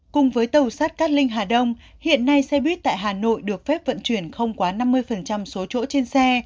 cùng với tàu sắt cát linh hà đông hiện nay xe buýt tại hà nội được phép vận chuyển không quá năm mươi số chỗ trên xe